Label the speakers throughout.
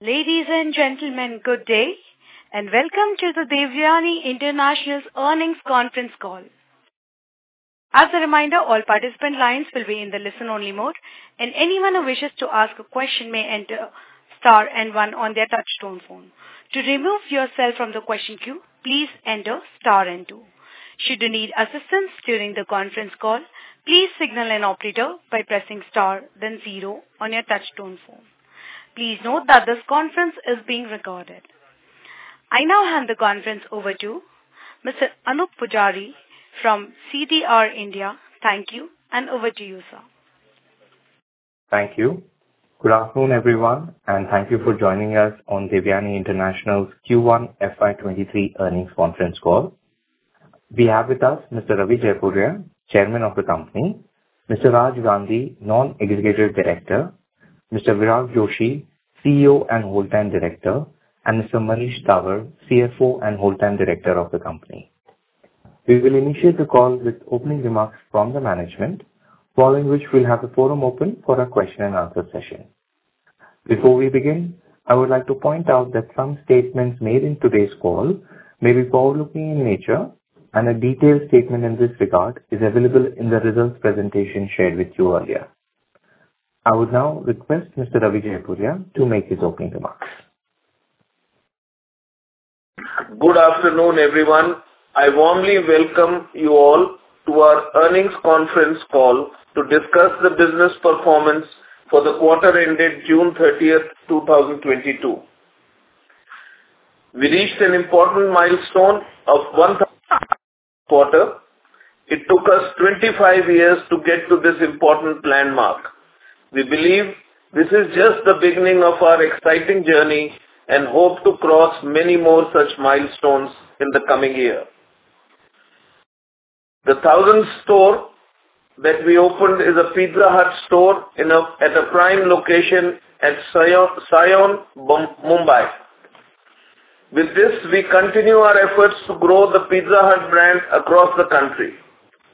Speaker 1: Ladies and gentlemen, good day, and welcome to the Devyani International's Earnings Conference Call. As a reminder, all participant lines will be in the listen-only mode, and anyone who wishes to ask a question may enter star and one on their touchtone phone. To remove yourself from the question queue, please enter star and two. Should you need assistance during the conference call, please signal an operator by pressing star then zero on your touchtone phone. Please note that this conference is being recorded. I now hand the conference over to Mr. Anoop Poojari from CDR India. Thank you, and over to you, sir.
Speaker 2: Thank you. Good afternoon, everyone, and thank you for joining us on Devyani International's Q1 FY23 Earnings Conference Call. We have with us Mr. Ravi Jaipuria, Chairman of the company, Mr. Raj Pal Gandhi, Non-Executive Director, Mr. Virag Joshi, CEO and Whole-Time Director, and Mr. Manish Dawar, CFO and Whole-Time Director of the company. We will initiate the call with opening remarks from the management, following which we'll have the forum open for a question and answer session. Before we begin, I would like to point out that some statements made in today's call may be forward-looking in nature, and a detailed statement in this regard is available in the results presentation shared with you earlier. I would now request Mr. Ravi Jaipuria to make his opening remarks.
Speaker 3: Good afternoon, everyone. I warmly welcome you all to our earnings conference call to discuss the business performance for the quarter ending June 30, 2022. We reached an important milestone of Q1. It took us 25 years to get to this important landmark. We believe this is just the beginning of our exciting journey and hope to cross many more such milestones in the coming year. The 1,000th store that we opened is a Pizza Hut store at a prime location at Sion, Mumbai. With this, we continue our efforts to grow the Pizza Hut brand across the country.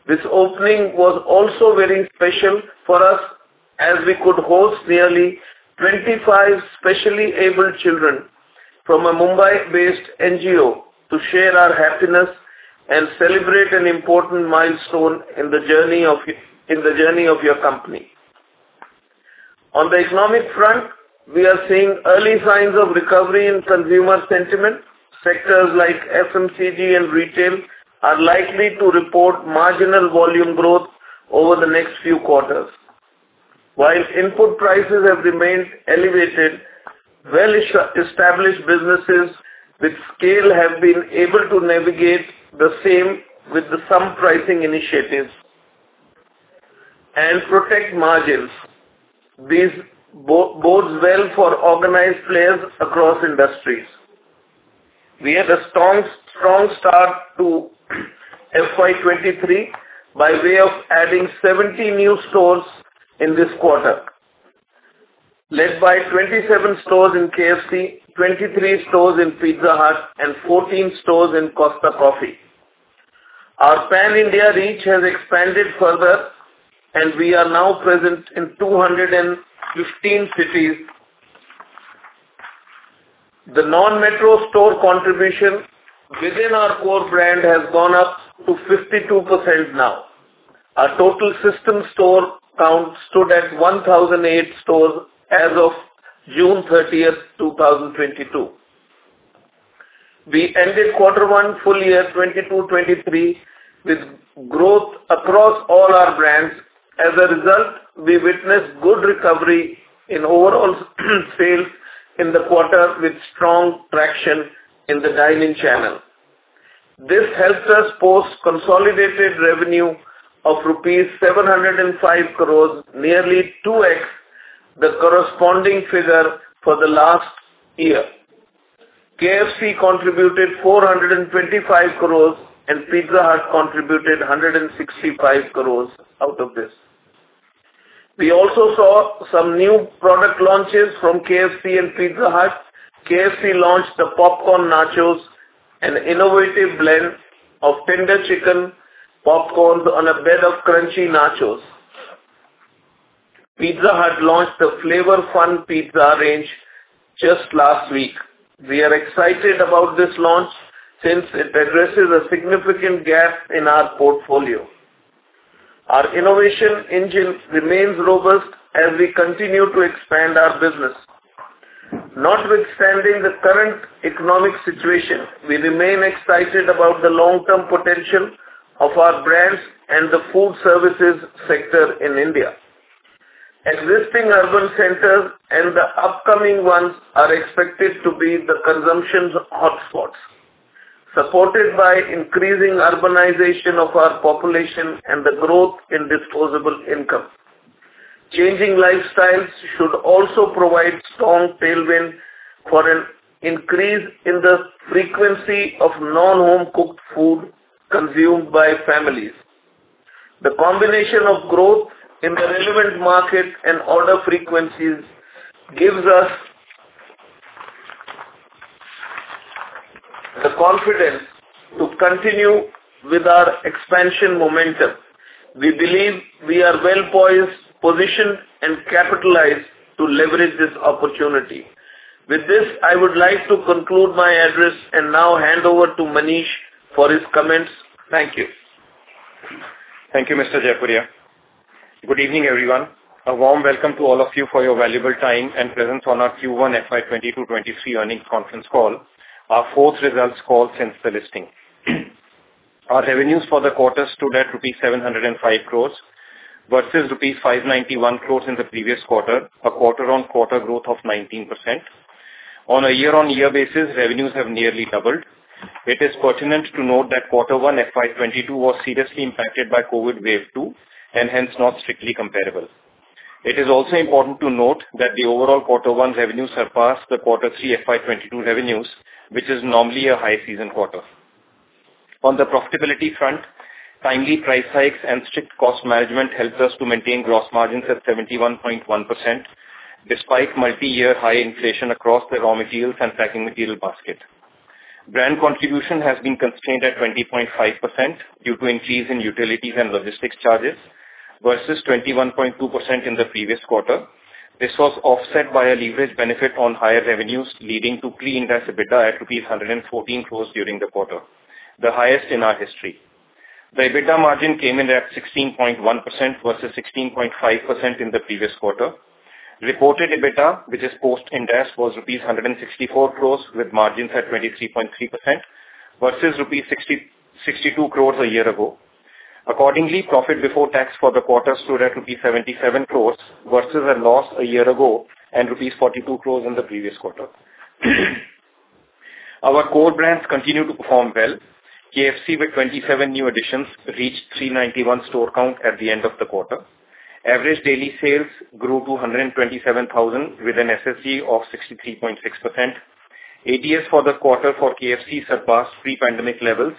Speaker 3: This opening was also very special for us as we could host nearly 25 specially abled children from a Mumbai-based NGO to share our happiness and celebrate an important milestone in the journey of your company. On the economic front, we are seeing early signs of recovery in consumer sentiment. Sectors like FMCG and retail are likely to report marginal volume growth over the next few quarters. While input prices have remained elevated, well-established businesses with scale have been able to navigate the same with some pricing initiatives and protect margins. This bodes well for organized players across industries. We had a strong start to FY 2023 by way of adding 70 new stores in this quarter, led by 27 stores in KFC, 23 stores in Pizza Hut and 14 stores in Costa Coffee. Our pan-India reach has expanded further, and we are now present in 215 cities. The non-metro store contribution within our core brand has gone up to 52% now. Our total system store count stood at 1,008 stores as of June 30, 2022. We ended Q1 full year 2022-23 with growth across all our brands. As a result, we witnessed good recovery in overall sales in the quarter with strong traction in the dine-in channel. This helped us post consolidated revenue of rupees 705 crore, nearly 2x the corresponding figure for the last year. KFC contributed 425 crore and Pizza Hut contributed 165 crore out of this. We also saw some new product launches from KFC and Pizza Hut. KFC launched the Popcorn Nachos, an innovative blend of tender chicken popcorns on a bed of crunchy nachos. Pizza Hut launched the Flavour Fun Pizza range just last week. We are excited about this launch since it addresses a significant gap in our portfolio. Our innovation engine remains robust as we continue to expand our business. Notwithstanding the current economic situation, we remain excited about the long-term potential of our brands and the food services sector in India. Existing urban centers and the upcoming ones are expected to be the consumption hotspots, supported by increasing urbanization of our population and the growth in disposable income. Changing lifestyles should also provide strong tailwind for an increase in the frequency of non-home-cooked food consumed by families. The combination of growth in the relevant market and order frequencies gives us the confidence to continue with our expansion momentum. We believe we are well poised, positioned and capitalized to leverage this opportunity. With this, I would like to conclude my address and now hand over to Manish for his comments. Thank you.
Speaker 4: Thank you, Mr. Jaipuria. Good evening, everyone. A warm welcome to all of you for your valuable time and presence on our Q1 FY 2022/2023 earnings conference call, our fourth results call since the listing. Our revenues for the quarter stood at INR 705 crores versus INR 591 crores in the previous quarter, a quarter-on-quarter growth of 19%. On a year-on-year basis, revenues have nearly doubled. It is pertinent to note that Q1 FY 2022 was seriously impacted by COVID wave two, and hence not strictly comparable. It is also important to note that the overall Q1 revenues surpassed the Q3 FY 2022 revenues, which is normally a high season quarter. On the profitability front, timely price hikes and strict cost management helps us to maintain gross margins at 71.1% despite multi-year high inflation across the raw materials and packing material basket. Brand contribution has been constrained at 20.5% due to increase in utilities and logistics charges versus 21.2% in the previous quarter. This was offset by a leverage benefit on higher revenues, leading to pre-interest EBITDA at INR 114 crore during the quarter, the highest in our history. The EBITDA margin came in at 16.1% versus 16.5% in the previous quarter. Reported EBITDA, which is post-interest, was rupees 164 crore, with margins at 23.3% versus 62 crore a year ago. Accordingly, profit before tax for the quarter stood at rupees 77 crore versus a loss a year ago and rupees 42 crore in the previous quarter. Our core brands continue to perform well. KFC with 27 new additions reached 391 store count at the end of the quarter. Average daily sales grew to 127,000, with an SSSG of 63.6%. ADS for the quarter for KFC surpassed pre-pandemic levels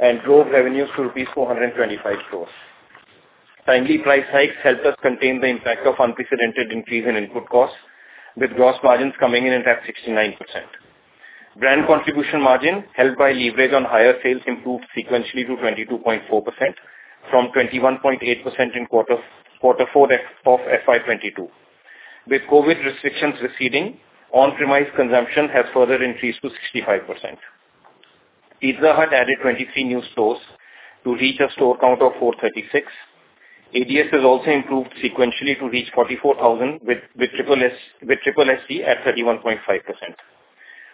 Speaker 4: and drove revenues to rupees 425 crore. Timely price hikes helped us contain the impact of unprecedented increase in input costs, with gross margins coming in at 69%. Brand contribution margin helped by leverage on higher sales improved sequentially to 22.4% from 21.8% in quarter four of FY 2022. With COVID restrictions receding, on-premise consumption has further increased to 65%. Pizza Hut added 23 new stores to reach a store count of 436. ADS has also improved sequentially to reach 44,000 with SSS with SSSG at 31.5%.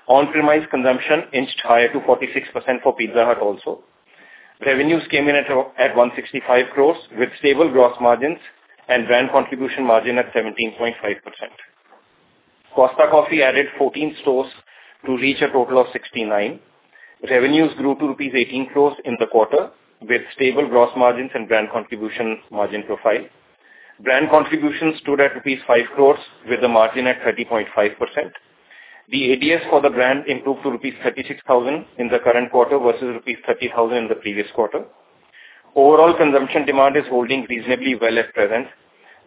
Speaker 4: On-premise consumption inched higher to 46% for Pizza Hut also. Revenues came in at 165 crores with stable gross margins and brand contribution margin at 17.5%. Costa Coffee added 14 stores to reach a total of 69. Revenues grew to rupees 18 crores in the quarter, with stable gross margins and brand contribution margin profile. Brand contribution stood at rupees 5 crores with a margin at 30.5%. The ADS for the brand improved to rupees 36,000 in the current quarter versus rupees 30,000 in the previous quarter. Overall consumption demand is holding reasonably well at present.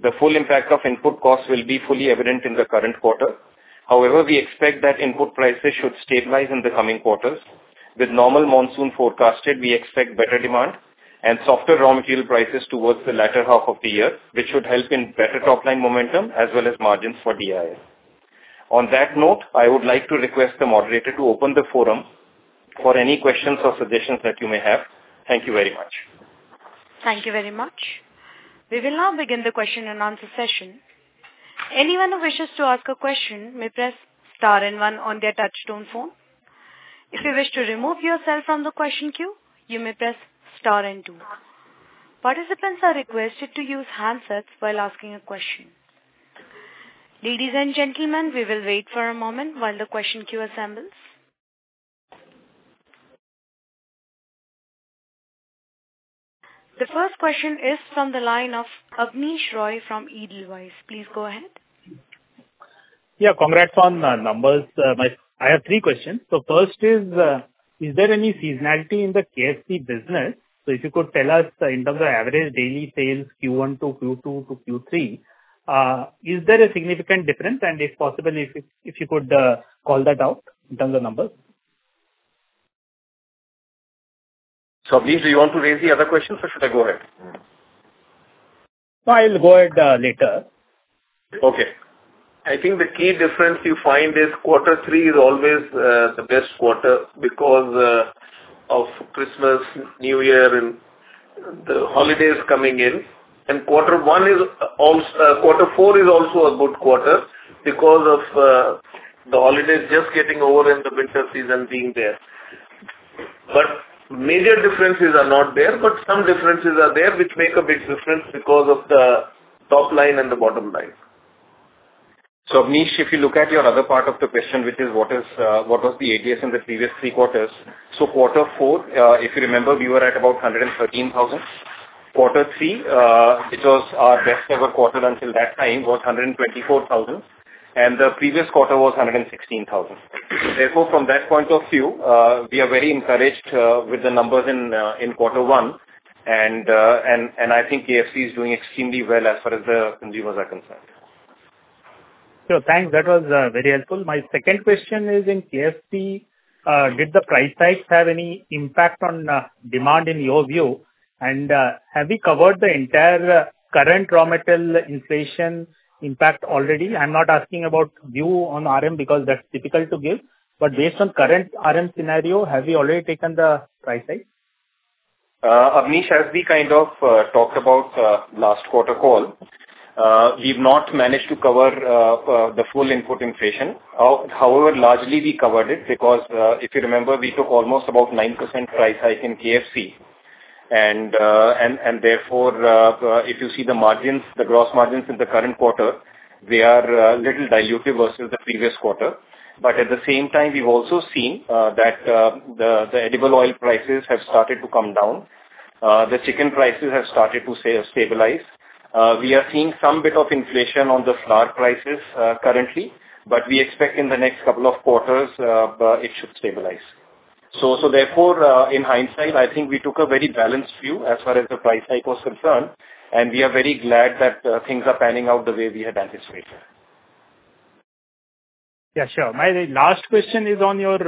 Speaker 4: The full impact of input costs will be fully evident in the current quarter. However, we expect that input prices should stabilize in the coming quarters. With normal monsoon forecasted, we expect better demand and softer raw material prices towards the latter half of the year, which should help in better top-line momentum as well as margins for DIA. On that note, I would like to request the moderator to open the forum for any questions or suggestions that you may have. Thank you very much.
Speaker 1: Thank you very much. We will now begin the question and answer session. Anyone who wishes to ask a question may press star and one on their touchtone phone. If you wish to remove yourself from the question queue, you may press star and two. Participants are requested to use handsets while asking a question. Ladies and gentlemen, we will wait for a moment while the question queue assembles. The first question is from the line of Abneesh Roy from Edelweiss. Please go ahead.
Speaker 5: Yeah. Congrats on the numbers. I have three questions. First is there any seasonality in the KFC business? If you could tell us in terms of average daily sales Q1 to Q2 to Q3, is there a significant difference? If possible, if you could call that out in terms of numbers.
Speaker 3: Abneesh, do you want to raise the other questions or should I go ahead?
Speaker 5: No, I'll go ahead later.
Speaker 3: Okay. I think the key difference you find is quarter three is always the best quarter because of Christmas, New Year and the holidays coming in. Quarter four is also a good quarter because of the holidays just getting over and the winter season being there. Major differences are not there, but some differences are there which make a big difference because of the top line and the bottom line.
Speaker 4: Abneesh, if you look at your other part of the question, which is what was the ADS in the previous three quarters. Quarter four, if you remember, we were at about 113,000. Quarter three, which was our best ever quarter until that time, was 124,000, and the previous quarter was 116,000. Therefore, from that point of view, we are very encouraged with the numbers in quarter one. I think KFC is doing extremely well as far as the consumers are concerned.
Speaker 5: Sure. Thanks. That was very helpful. My second question is, in KFC, did the price hikes have any impact on demand in your view? Have you covered the entire current raw material inflation impact already? I'm not asking about view on RM because that's difficult to give. Based on current RM scenario, have you already taken the price hike?
Speaker 4: Abneesh, as we kind of talked about last quarter call, we've not managed to cover the full input inflation. However, largely we covered it because, if you remember, we took almost about 9% price hike in KFC and therefore, if you see the margins, the gross margins in the current quarter, they are little dilutive versus the previous quarter. At the same time, we've also seen that the edible oil prices have started to come down. The chicken prices have started to stabilize. We are seeing some bit of inflation on the flour prices currently, but we expect in the next couple of quarters it should stabilize. In hindsight, I think we took a very balanced view as far as the price hike was concerned, and we are very glad that things are panning out the way we had anticipated.
Speaker 5: Yeah, sure. My last question is on your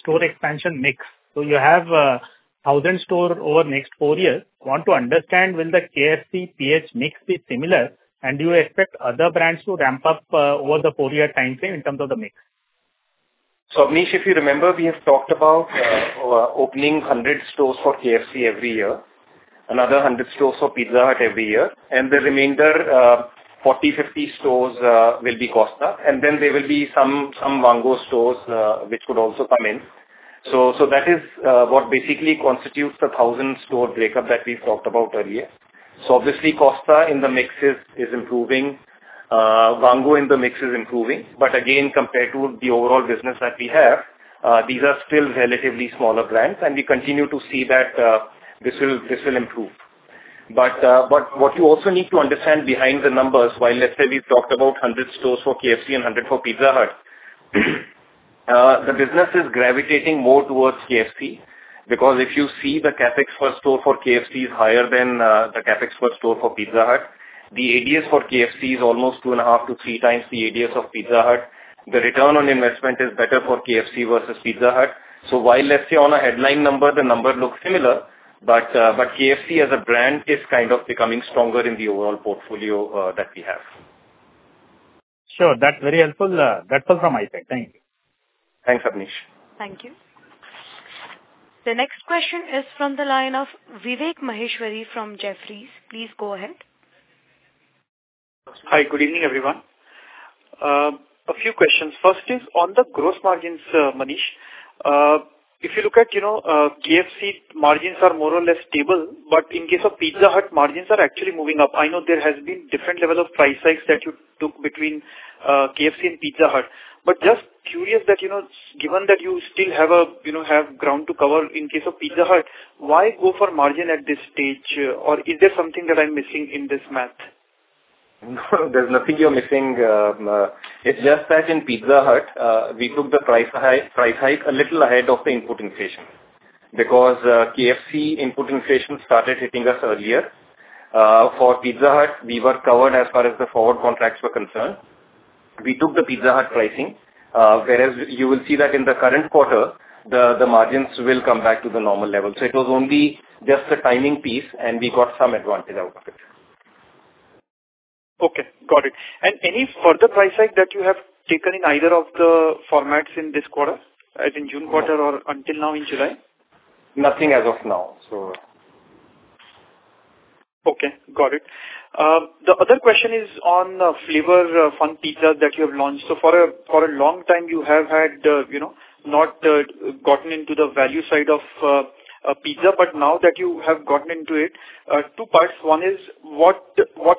Speaker 5: store expansion mix. You have 1,000 stores over next four years. Want to understand will the KFC PH mix be similar, and do you expect other brands to ramp up over the four-year time frame in terms of the mix?
Speaker 4: Abneesh, if you remember, we have talked about opening 100 stores for KFC every year, another 100 stores for Pizza Hut every year, and the remainder 40-50 stores will be Costa, and then there will be some Vaango stores which would also come in. That is what basically constitutes the 1,000-store breakup that we've talked about earlier. Obviously Costa in the mix is improving. Vaango in the mix is improving. But again, compared to the overall business that we have, these are still relatively smaller brands, and we continue to see that this will improve. What you also need to understand behind the numbers, while let's say we've talked about 100 stores for KFC and 100 for Pizza Hut, the business is gravitating more towards KFC because if you see the CapEx per store for KFC is higher than the CapEx per store for Pizza Hut. The ADS for KFC is almost 2.5-3 times the ADS of Pizza Hut. The return on investment is better for KFC versus Pizza Hut. While let's say on a headline number, the number looks similar, but KFC as a brand is kind of becoming stronger in the overall portfolio that we have.
Speaker 5: Sure, that's very helpful. That's all from my side. Thank you.
Speaker 4: Thanks, Abneesh.
Speaker 1: Thank you. The next question is from the line of Vivek Maheshwari from Jefferies. Please go ahead.
Speaker 6: Hi. Good evening, everyone. A few questions. First is on the gross margins, Manish. If you look at, you know, KFC margins are more or less stable, but in case of Pizza Hut, margins are actually moving up. I know there has been different level of price hikes that you took between, KFC and Pizza Hut. Just curious that, you know, given that you still have, you know, ground to cover in case of Pizza Hut, why go for margin at this stage? Or is there something that I'm missing in this math?
Speaker 4: There's nothing you're missing. It's just that in Pizza Hut, we took the price hike a little ahead of the input inflation because KFC input inflation started hitting us earlier. For Pizza Hut, we were covered as far as the forward contracts were concerned. We took the Pizza Hut pricing, whereas you will see that in the current quarter the margins will come back to the normal level. It was only just a timing piece, and we got some advantage out of it.
Speaker 6: Okay, got it. Any further price hike that you have taken in either of the formats in this quarter, like in June quarter or until now in July?
Speaker 4: Nothing as of now.
Speaker 6: Okay, got it. The other question is on the Flavour Fun Pizza that you have launched. For a long time you have had not gotten into the value side of pizza, but now that you have gotten into it, two parts. One is what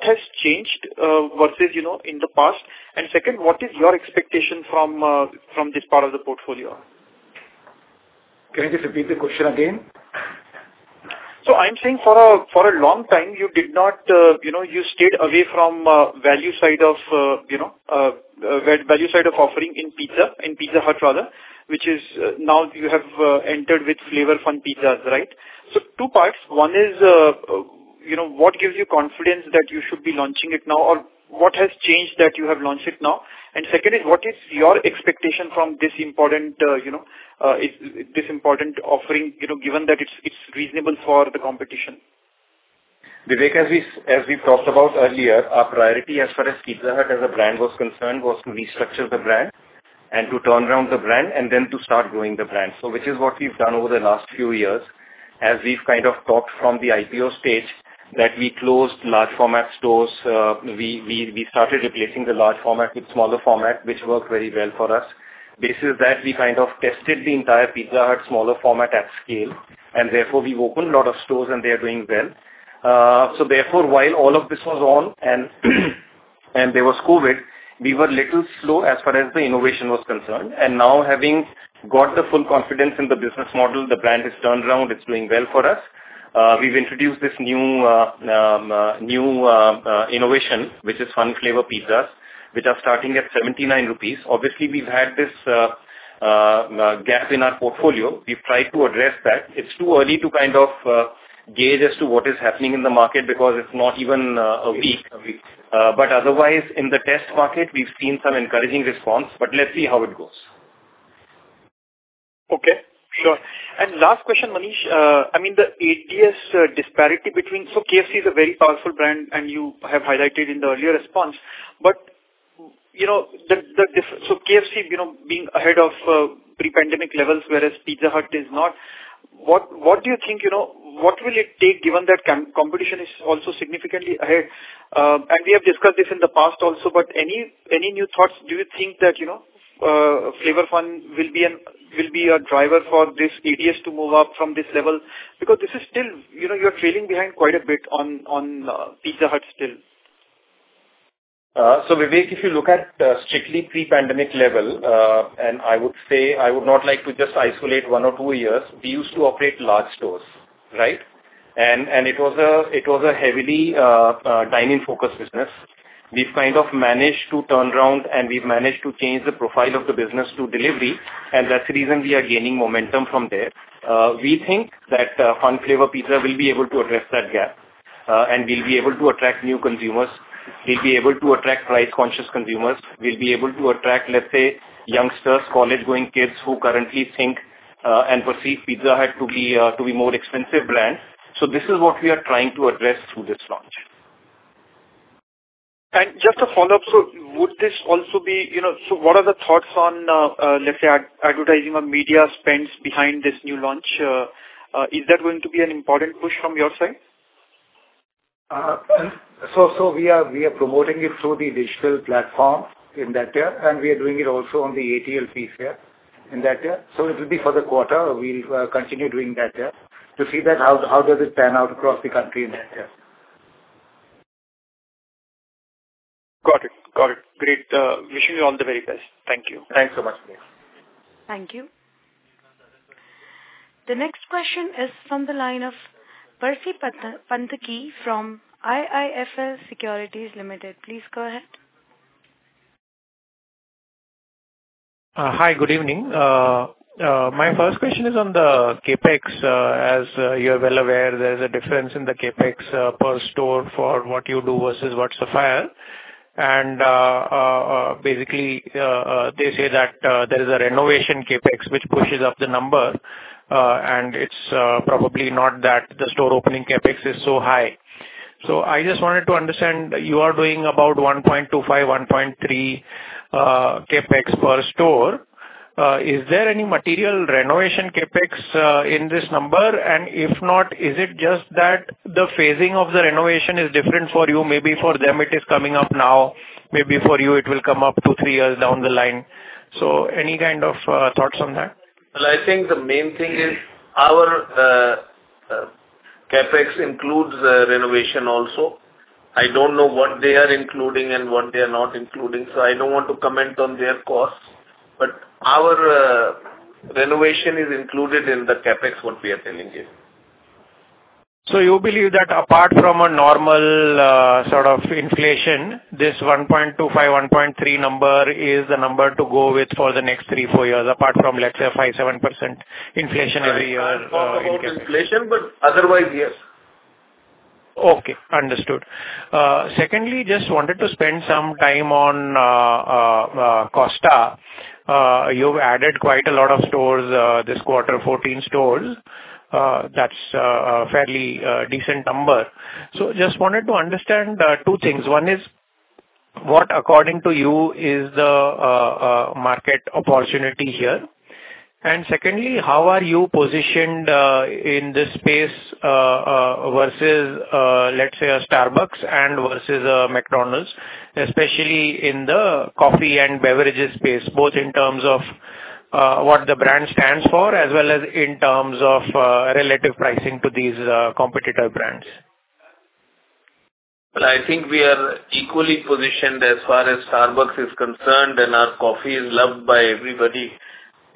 Speaker 6: has changed versus in the past? And second, what is your expectation from this part of the portfolio?
Speaker 4: Can you just repeat the question again?
Speaker 6: I'm saying for a long time you did not, you know, you stayed away from value side of, you know, value side of offering in pizza, in Pizza Hut rather, which is now you have entered with Flavour Fun pizzas, right? Two parts. One is, you know, what gives you confidence that you should be launching it now, or what has changed that you have launched it now? And second is what is your expectation from this important, you know, this important offering, you know, given that it's reasonable for the competition?
Speaker 4: Vivek, as we talked about earlier, our priority as far as Pizza Hut as a brand was concerned was to restructure the brand and to turn around the brand and then to start growing the brand. Which is what we've done over the last few years. As we've kind of talked from the IPO stage that we closed large format stores. We started replacing the large format with smaller format, which worked very well for us. Based on that we kind of tested the entire Pizza Hut smaller format at scale, and therefore we opened a lot of stores and they are doing well. Therefore, while all of this was on and there was COVID, we were little slow as far as the innovation was concerned. Now having got the full confidence in the business model, the brand has turned around. It's doing well for us. We've introduced this new innovation, which is Flavour Fun pizzas, which are starting at 79 rupees. Obviously, we've had this gap in our portfolio. We've tried to address that. It's too early to kind of gauge as to what is happening in the market because it's not even a week.
Speaker 6: A week.
Speaker 4: Otherwise in the test market, we've seen some encouraging response, but let's see how it goes.
Speaker 6: Okay. Sure. Last question, Manish. I mean, the ADS disparity between. So KFC is a very powerful brand, and you have highlighted in the earlier response. You know, the difference, so KFC, you know, being ahead of pre-pandemic levels, whereas Pizza Hut is not. What do you think, you know, what will it take, given that competition is also significantly ahead? We have discussed this in the past also, but any new thoughts? Do you think that, you know, Flavor Fun will be a driver for this ADS to move up from this level? Because this is still, you know, you're trailing behind quite a bit on Pizza Hut still.
Speaker 4: Vivek, if you look at strictly pre-pandemic level, and I would say I would not like to just isolate one or two years. We used to operate large stores, right? It was a heavily dine-in focused business. We've kind of managed to turn around, and we've managed to change the profile of the business to delivery, and that's the reason we are gaining momentum from there. We think that Flavour Fun Pizza will be able to address that gap, and we'll be able to attract new consumers. We'll be able to attract price-conscious consumers. We'll be able to attract, let's say, youngsters, college-going kids who currently think and perceive Pizza Hut to be more expensive brand. This is what we are trying to address through this launch.
Speaker 6: Just a follow-up. Would this also be, you know? What are the thoughts on, let's say, advertising or media spends behind this new launch? Is that going to be an important push from your side?
Speaker 4: We are promoting it through the digital platform in that year, and we are doing it also on the ATL piece here in that year. It will be for the quarter. We'll continue doing that year to see that how does it pan out across the country in that year.
Speaker 6: Got it. Great. Wishing you all the very best. Thank you.
Speaker 4: Thanks so much, Vivek.
Speaker 1: Thank you. The next question is from the line of Percy Panthaki from IIFL Securities Limited. Please go ahead.
Speaker 7: Hi. Good evening. My first question is on the CapEx. As you are well aware, there's a difference in the CapEx per store for what you do versus what Sapphire. Basically, they say that there is a renovation CapEx which pushes up the number, and it's probably not that the store opening CapEx is so high. I just wanted to understand, you are doing about 1.25-1.3 CapEx per store. Is there any material renovation CapEx in this number? And if not, is it just that the phasing of the renovation is different for you? Maybe for them it is coming up now. Maybe for you it will come up to three years down the line. Any kind of thoughts on that?
Speaker 4: Well, I think the main thing is our CapEx includes renovation also. I don't know what they are including and what they are not including, so I don't want to comment on their costs. Our renovation is included in the CapEx, what we are telling you.
Speaker 7: You believe that apart from a normal, sort of inflation, this 1.25, 1.3 number is the number to go with for the next three-four years, apart from, let's say, 5%-7% inflation every year, increase.
Speaker 4: I can't talk about inflation, but otherwise, yes.
Speaker 7: Okay. Understood. Secondly, just wanted to spend some time on Costa. You've added quite a lot of stores this quarter, 14 stores. That's a fairly decent number. So just wanted to understand two things. One is, what, according to you, is the market opportunity here? And secondly, how are you positioned in this space versus, let's say, a Starbucks and versus a McDonald's, especially in the coffee and beverages space, both in terms of what the brand stands for, as well as in terms of relative pricing to these competitor brands.
Speaker 4: Well, I think we are equally positioned as far as Starbucks is concerned, and our coffee is loved by everybody in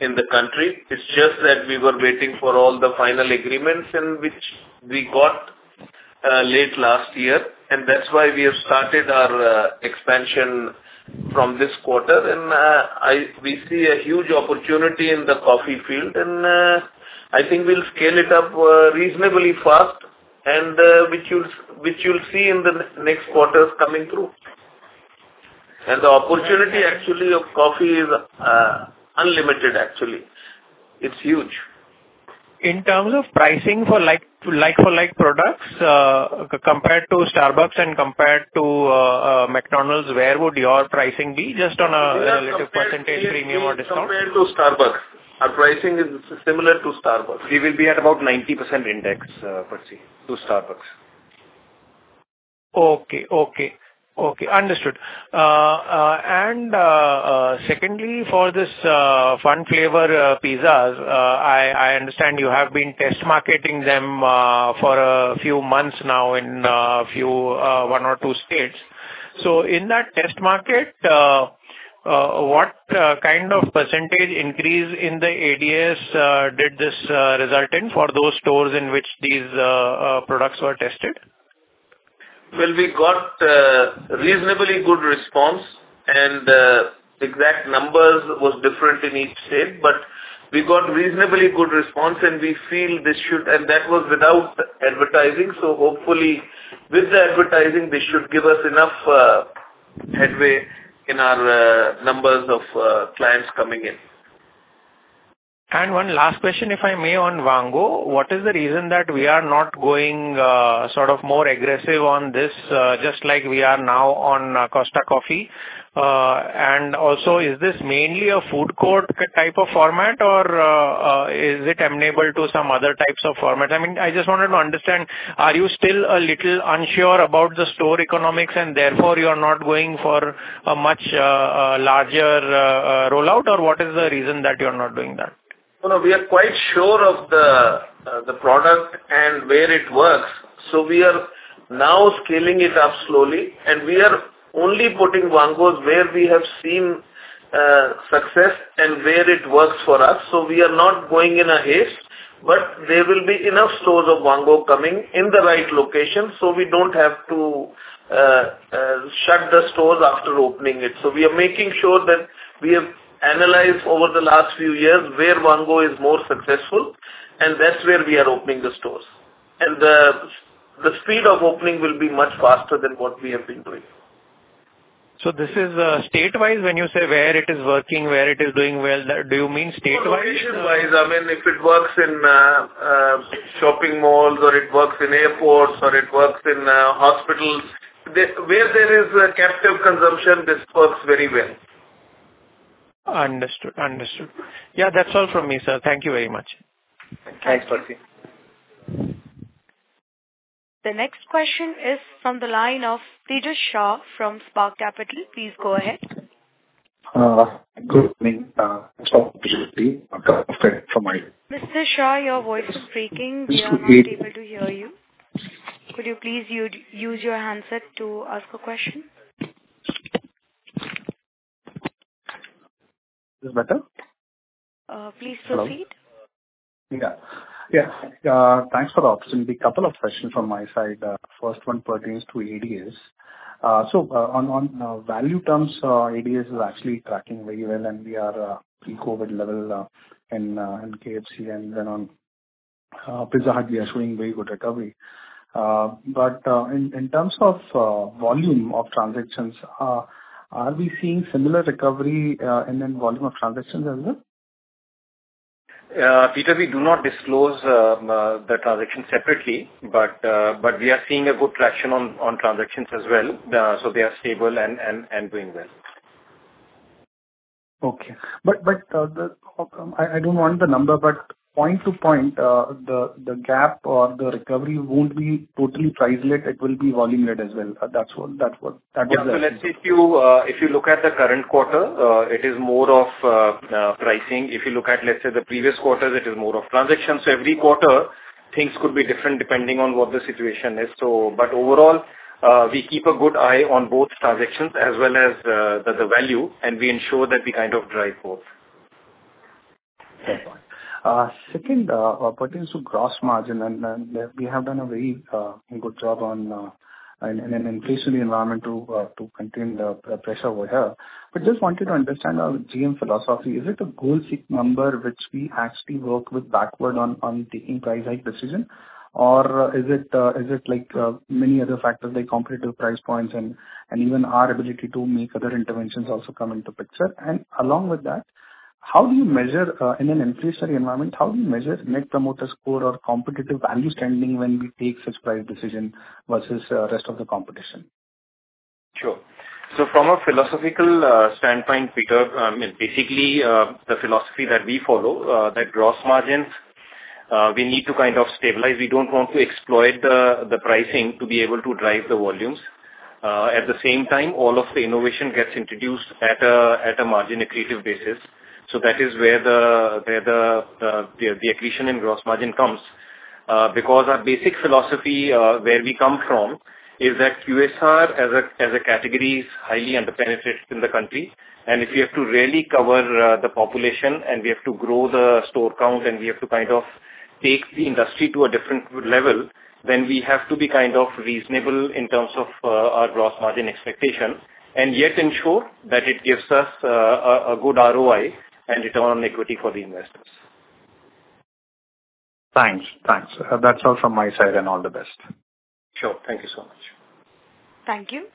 Speaker 4: the country. It's just that we were waiting for all the final agreements in which we got late last year, and that's why we have started our expansion from this quarter. We see a huge opportunity in the coffee field. I think we'll scale it up reasonably fast, which you'll see in the next quarters coming through. The opportunity actually of coffee is unlimited, actually. It's huge.
Speaker 7: In terms of pricing for like for like products, compared to Starbucks and compared to McDonald's, where would your pricing be? Just on a relative percentage premium or discount.
Speaker 4: Compared to Starbucks, our pricing is similar to Starbucks. We will be at about 90% index, Percy, to Starbucks.
Speaker 7: Okay. Understood. Secondly, for this Flavour Fun pizzas, I understand you have been test marketing them for a few months now in few, one or two states. In that test market, what kind of percentage increase in the ADS did this products were tested?
Speaker 4: Well, we got a reasonably good response and, exact numbers was different in each state, but we got reasonably good response. That was without advertising. Hopefully with the advertising, this should give us enough headway in our numbers of clients coming in.
Speaker 7: One last question, if I may, on Vaango. What is the reason that we are not going sort of more aggressive on this, just like we are now on Costa Coffee? Also, is this mainly a food court type of format or is it amenable to some other types of formats? I mean, I just wanted to understand, are you still a little unsure about the store economics and therefore you are not going for a much larger rollout or what is the reason that you are not doing that?
Speaker 4: No, no. We are quite sure of the product and where it works, so we are now scaling it up slowly and we are only putting Vaango where we have seen success and where it works for us. So we are not going in a haste, but there will be enough stores of Vaango coming in the right location, so we don't have to shut the stores after opening it. So we are making sure that we have analyzed over the last few years where Vaango is more successful and that's where we are opening the stores. The speed of opening will be much faster than what we have been doing.
Speaker 7: This is state-wise when you say where it is working, where it is doing well, do you mean state-wise?
Speaker 4: No, region-wise. I mean, if it works in shopping malls or it works in airports or it works in hospitals, where there is a captive consumption, this works very well.
Speaker 7: Understood. Yeah. That's all from me, sir. Thank you very much.
Speaker 4: Thanks, Percy.
Speaker 1: The next question is from the line of Preeti Shah from Spark Capital. Please go ahead.
Speaker 8: Good evening.
Speaker 1: Mr. Shah, your voice is breaking.
Speaker 8: Excuse me.
Speaker 1: We are not able to hear you. Could you please use your handset to ask a question?
Speaker 8: Is this better?
Speaker 1: Please proceed.
Speaker 8: Thanks for the opportunity. A couple of questions from my side. First one pertains to ADS. So, on value terms, ADS is actually tracking very well and we are pre-COVID level in KFC and then on Pizza Hut, we are showing very good recovery. But in terms of volume of transactions, are we seeing similar recovery and then volume of transactions as well?
Speaker 4: Preeti Shah, we do not disclose the transactions separately, but we are seeing a good traction on transactions as well. They are stable and doing well.
Speaker 8: I don't want the number, but point to point, the gap or the recovery won't be totally price-led, it will be volume-led as well. That's what that is.
Speaker 4: Yeah. Let's say if you look at the current quarter, it is more of pricing. If you look at, let's say, the previous quarter, it is more of transactions. Every quarter things could be different depending on what the situation is. Overall, we keep a good eye on both transactions as well as the value, and we ensure that we kind of drive both.
Speaker 8: Fair point. Second pertains to gross margin. We have done a very good job in an inflationary environment to contain the pressure over here. Just wanted to understand our GM philosophy. Is it a goal seek number which we actually work with backward on taking price hike decision? Or is it like many other factors like competitive price points and even our ability to make other interventions also come into picture? Along with that, how do you measure in an inflationary environment net promoter score or competitive value standing when we take such price decision versus rest of the competition?
Speaker 4: Sure. From a philosophical standpoint, Preeti, basically, the philosophy that we follow, that gross margins we need to kind of stabilize. We don't want to exploit the pricing to be able to drive the volumes. At the same time, all of the innovation gets introduced at a margin accretive basis. That is where the accretion in gross margin comes. Because our basic philosophy, where we come from is that QSR as a category is highly under-penetrated in the country. If we have to really cover the population and we have to grow the store count and we have to kind of take the industry to a different level, then we have to be kind of reasonable in terms of our gross margin expectation and yet ensure that it gives us a good ROI and return on equity for the investors.
Speaker 8: Thanks. That's all from my side and all the best.
Speaker 4: Sure. Thank you so much.
Speaker 1: Thank you.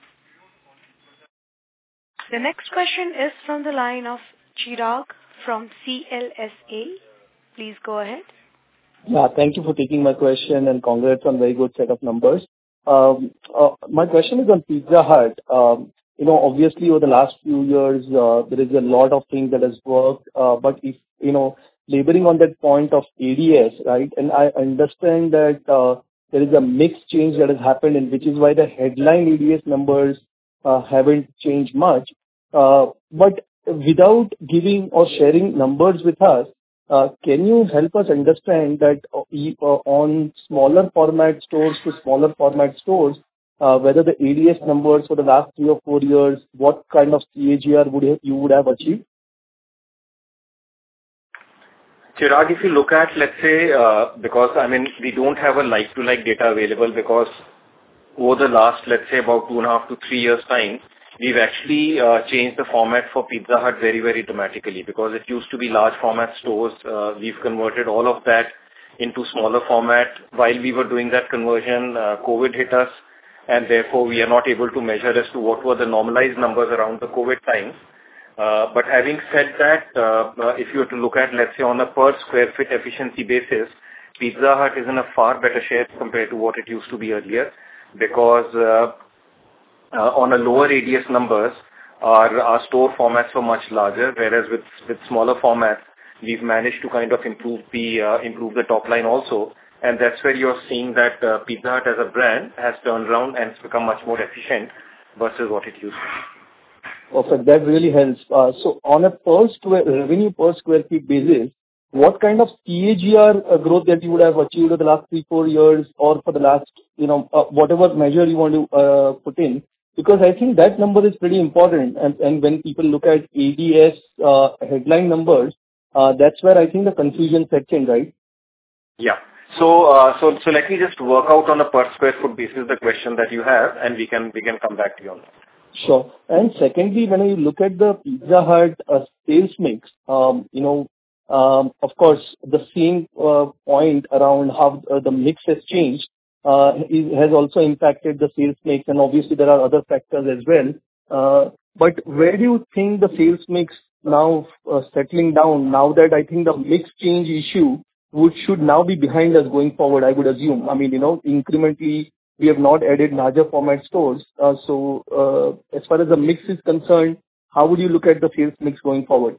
Speaker 1: The next question is from the line of Chirag from CLSA. Please go ahead.
Speaker 9: Yeah. Thank you for taking my question and congrats on very good set of numbers. My question is on Pizza Hut. You know, obviously over the last few years, there is a lot of things that has worked, but, you know, elaborating on that point of ADS, right? I understand that, there is a mix change that has happened and which is why the headline ADS numbers, haven't changed much. But without giving or sharing numbers with us, can you help us understand that, on smaller format stores to smaller format stores, whether the ADS numbers for the last three or four years, what kind of CAGR you would have achieved?
Speaker 4: Chirag, if you look at, let's say, because I mean, we don't have a like-for-like data available because over the last, let's say about two and a half to three years' time, we've actually changed the format for Pizza Hut very, very dramatically because it used to be large format stores. We've converted all of that into smaller format. While we were doing that conversion, COVID hit us, and therefore we are not able to measure as to what were the normalized numbers around the COVID time. Having said that, if you were to look at, let's say on a per sq ft efficiency basis, Pizza Hut is in a far better shape compared to what it used to be earlier. Because on a lower ADS numbers, our store formats were much larger, whereas with smaller formats, we've managed to kind of improve the top line also. That's where you're seeing that Pizza Hut as a brand has turned around and it's become much more efficient versus what it used to be.
Speaker 9: Okay, that really helps. On a revenue per sq ft basis, what kind of CAGR growth that you would have achieved over the last three, four years or for the last, you know, whatever measure you want to put in? Because I think that number is pretty important and when people look at ADS headline numbers, that's where I think the confusion sets in, right?
Speaker 4: Yeah. Let me just work out on a per sq ft basis the question that you have, and we can come back to you on that.
Speaker 9: Sure. Secondly, when we look at the Pizza Hut sales mix, you know, of course, the same point around how the mix has changed, it has also impacted the sales mix and obviously there are other factors as well. Where do you think the sales mix now settling down now that I think the mix change issue should now be behind us going forward, I would assume. I mean, you know, incrementally, we have not added larger format stores. As far as the mix is concerned, how would you look at the sales mix going forward?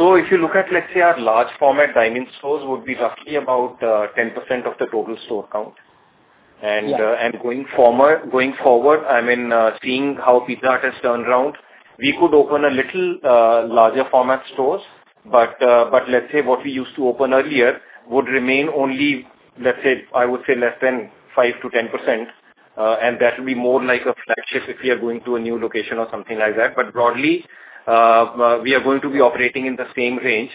Speaker 4: If you look at, let's say our large format dine-in stores would be roughly about 10% of the total store count.
Speaker 9: Yeah.
Speaker 4: Going forward, I mean, seeing how Pizza Hut has turned around, we could open a little larger format stores. Let's say what we used to open earlier would remain only, let's say, I would say less than 5%-10%, and that will be more like a flagship if we are going to a new location or something like that. Broadly, we are going to be operating in the same range.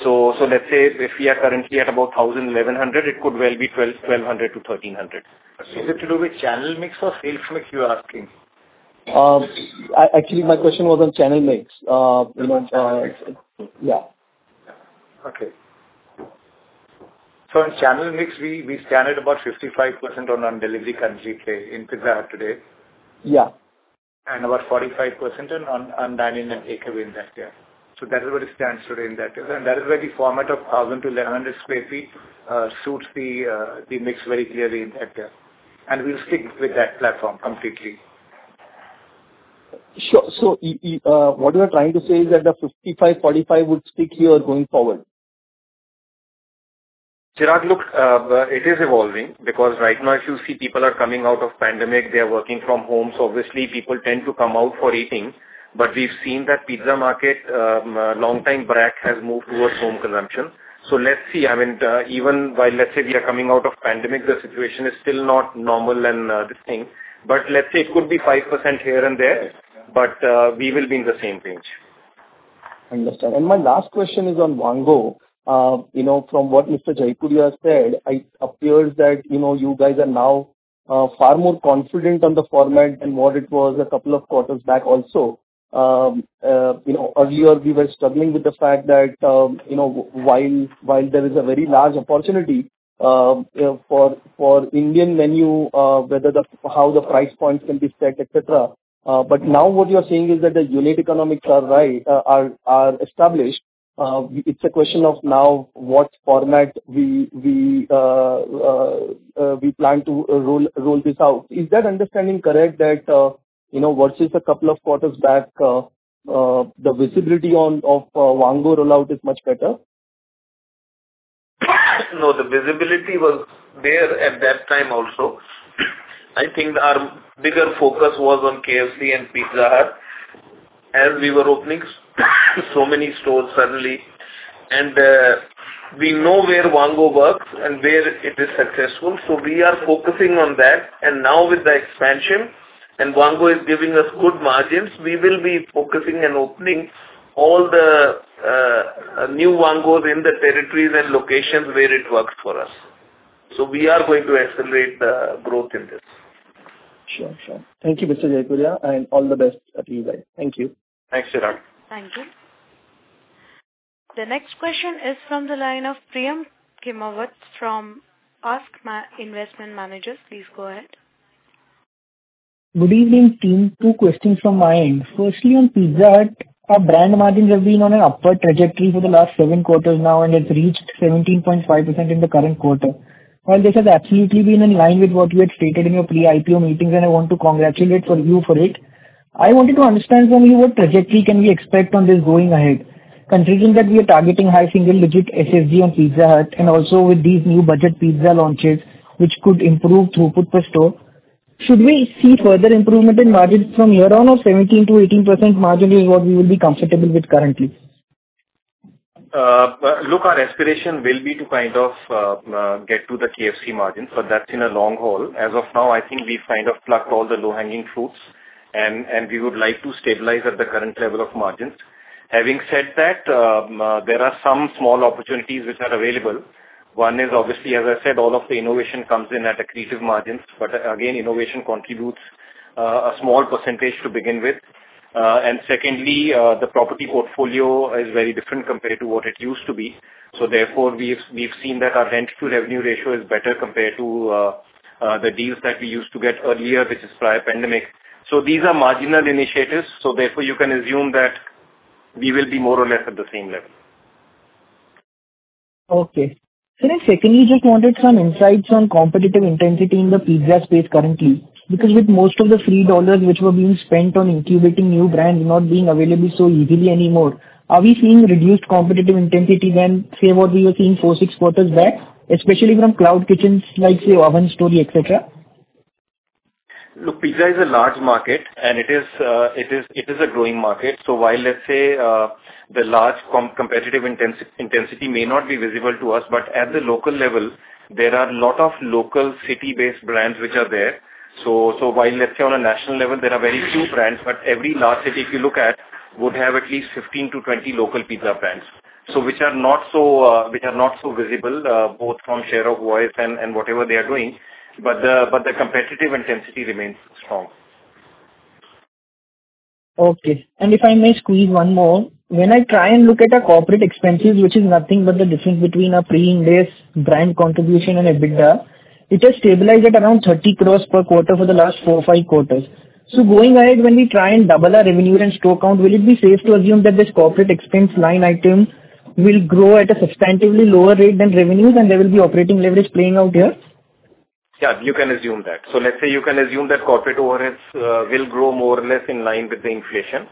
Speaker 4: Let's say if we are currently at about 1,100, it could well be 1,200-1,300. Is it to do with channel mix or sales mix you are asking?
Speaker 9: Actually, my question was on channel mix. You know.
Speaker 4: Okay. On channel mix, we stand at about 55% on delivery counter play in Pizza Hut today.
Speaker 9: Yeah.
Speaker 4: about 45% on dine-in and takeaway in that year. That is where it stands today in that. That is where the format of 1,000-1,100 sq ft suits the mix very clearly in that year. We'll stick with that platform completely.
Speaker 9: Sure. What you are trying to say is that the 55-45 would stick here going forward?
Speaker 4: Chirag, look, it is evolving because right now if you see people are coming out of pandemic, they are working from home, so obviously people tend to come out for eating. We've seen that pizza market, long time back has moved towards home consumption. Let's see, I mean, even while let's say we are coming out of pandemic, the situation is still not normal and, this thing. Let's say it could be 5% here and there, but, we will be in the same range.
Speaker 9: Understand. My last question is on Vaango. You know, from what Mr. Jaipuria said, it appears that, you know, you guys are now far more confident on the format than what it was a couple of quarters back also. You know, earlier we were struggling with the fact that, while there is a very large opportunity, you know, for Indian menu, whether the, how the price points can be set, et cetera. But now what you're saying is that the unit economics are right, are established. It's a question of now what format we plan to roll this out. Is that understanding correct that, you know, versus a couple of quarters back, the visibility of Vaango rollout is much better?
Speaker 4: No, the visibility was there at that time also. I think our bigger focus was on KFC and Pizza Hut, and we were opening so many stores suddenly. We know where Vaango works and where it is successful, so we are focusing on that. Now with the expansion and Vaango is giving us good margins, we will be focusing and opening all the new Vaangos in the territories and locations where it works for us. We are going to accelerate the growth in this.
Speaker 9: Sure. Thank you, Mr. Jaipuria, and all the best to you guys. Thank you.
Speaker 4: Thanks, Chirag.
Speaker 1: Thank you. The next question is from the line of Priyam Khemawat from ASK Investment Managers. Please go ahead.
Speaker 10: Good evening, team. Two questions from my end. Firstly, on Pizza Hut, brand margins have been on an upward trajectory for the last seven quarters now and it's reached 17.5% in the current quarter. While this has absolutely been in line with what you had stated in your pre-IPO meetings, and I want to congratulate for you for it, I wanted to understand from you what trajectory can we expect on this going ahead? Considering that we are targeting high single digit SSG on Pizza Hut and also with these new budget pizza launches which could improve throughput per store. Should we see further improvement in margins from here on or 17%-18% margin is what we will be comfortable with currently?
Speaker 4: Look, our aspiration will be to kind of get to the KFC margins, but that's in the long haul. As of now, I think we've kind of plucked all the low-hanging fruits. We would like to stabilize at the current level of margins. Having said that, there are some small opportunities which are available. One is obviously, as I said, all of the innovation comes in at accretive margins. Again, innovation contributes a small percentage to begin with. Secondly, the property portfolio is very different compared to what it used to be. Therefore, we've seen that our rent to revenue ratio is better compared to the deals that we used to get earlier, which is pre-pandemic. These are marginal initiatives, so therefore you can assume that we will be more or less at the same level.
Speaker 10: Okay. Secondly, just wanted some insights on competitive intensity in the pizza space currently. Because with most of the free dollars which were being spent on incubating new brands not being available so easily anymore, are we seeing reduced competitive intensity than, say, what we were seeing four, six quarters back, especially from cloud kitchens like, say, Oven Story, et cetera?
Speaker 4: Look, pizza is a large market and it is a growing market. While, let's say, the large competitive intensity may not be visible to us, but at the local level, there are a lot of local city-based brands which are there. While, let's say, on a national level there are very few brands, but every large city if you look at would have at least 15-20 local pizza brands. Which are not so visible, both from share of voice and whatever they are doing, but the competitive intensity remains strong.
Speaker 10: Okay. If I may squeeze one more. When I try and look at our corporate expenses, which is nothing but the difference between our pre-interest brand contribution and EBITDA, it has stabilized at around 30 crore per quarter for the last four, five quarters. Going ahead, when we try and double our revenue and store count, will it be safe to assume that this corporate expense line item will grow at a substantially lower rate than revenues and there will be operating leverage playing out here?
Speaker 4: Yeah, you can assume that. Let's say you can assume that corporate overheads will grow more or less in line with the inflation.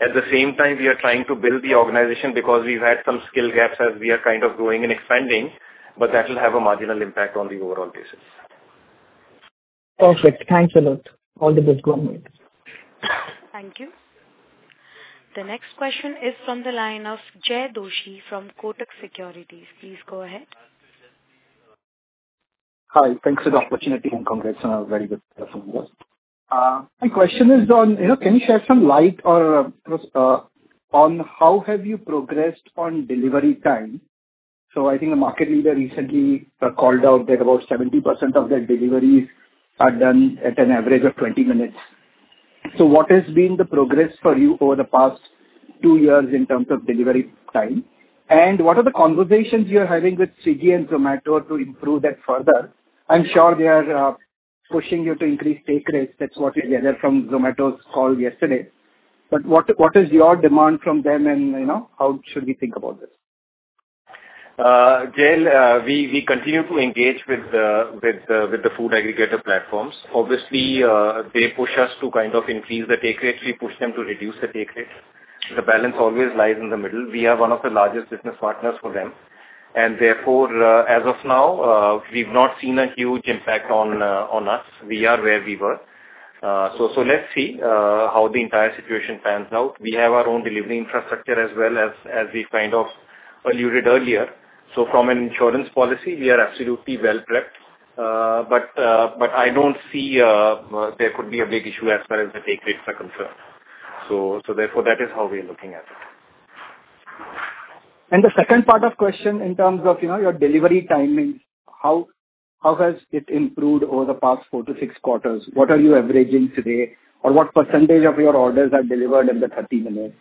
Speaker 4: At the same time, we are trying to build the organization because we've had some skill gaps as we are kind of growing and expanding, but that will have a marginal impact on the overall business.
Speaker 10: Perfect. Thanks a lot. All the best going forward.
Speaker 1: Thank you. The next question is from the line of Jaykumar Doshi from Kotak Securities. Please go ahead.
Speaker 11: Hi, thanks for the opportunity and congrats on a very good performance. My question is on, you know, can you shed some light on how have you progressed on delivery time? I think the market leader recently called out that about 70% of their deliveries are done at an average of 20 minutes. What has been the progress for you over the past two years in terms of delivery time? What are the conversations you're having with Swiggy and Zomato to improve that further? I'm sure they are pushing you to increase take rates. That's what we gathered from Zomato's call yesterday. What is your demand from them and, you know, how should we think about this?
Speaker 4: Jay, we continue to engage with the food aggregator platforms. Obviously, they push us to kind of increase the take rate, we push them to reduce the take rate. The balance always lies in the middle. We are one of the largest business partners for them. Therefore, as of now, we've not seen a huge impact on us. We are where we were. Let's see how the entire situation pans out. We have our own delivery infrastructure as well as we kind of alluded earlier. From an insurance policy, we are absolutely well-prepped. I don't see there could be a big issue as far as the take rates are concerned. Therefore that is how we're looking at it.
Speaker 11: The second part of question in terms of, you know, your delivery timings. How has it improved over the past four-six quarters? What are you averaging today? Or what % of your orders are delivered in the 30 minutes?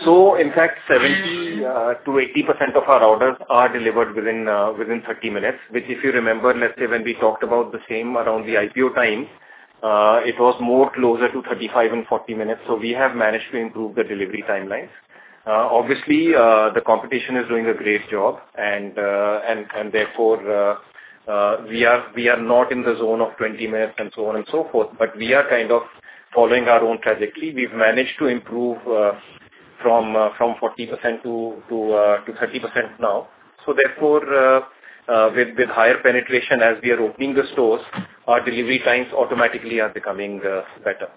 Speaker 4: In fact, 70%-80% of our orders are delivered within 30 minutes. Which if you remember, let's say when we talked about the same around the IPO time, it was more closer to 35 and 40 minutes. We have managed to improve the delivery timelines. Obviously, the competition is doing a great job and therefore we are not in the zone of 20 minutes and so on and so forth, but we are kind of following our own trajectory. We've managed to improve from 40% to 30% now. With higher penetration as we are opening the stores, our delivery times automatically are becoming better.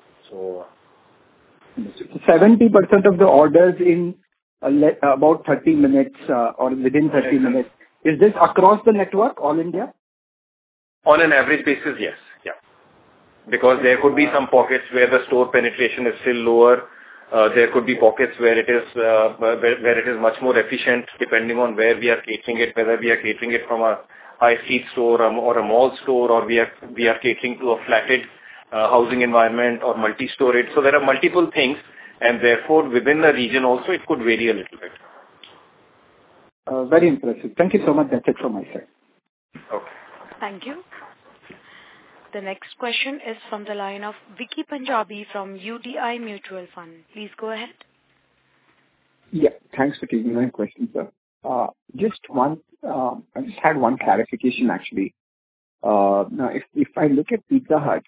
Speaker 11: 70% of the orders in about 30 minutes, or within 30 minutes. Is this across the network, all India?
Speaker 4: On an average basis, yes. Yeah. Because there could be some pockets where the store penetration is still lower. There could be pockets where it is much more efficient, depending on where we are catering it, whether we are catering it from a high street store or a mall store, or we are catering to a flatted housing environment or multi-storey. There are multiple things and therefore within the region also it could vary a little bit.
Speaker 11: Very impressive. Thank you so much. That's it from my side.
Speaker 4: Okay.
Speaker 1: Thank you. The next question is from the line of Vicky Punjabi from UTI Mutual Fund. Please go ahead.
Speaker 12: Yeah. Thanks for taking my question, sir. Just one. I just had one clarification actually. Now if I look at Pizza Hut,